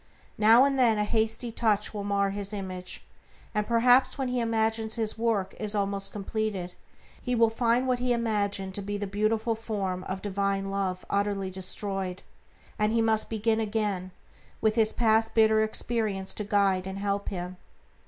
Now and then a hasty touch will mar his image, and perhaps when he imagines his work is almost completed he will find what he imagined to be the beautiful form of Divine Love utterly destroyed, and he must begin again with his past bitter experience to guide and help him.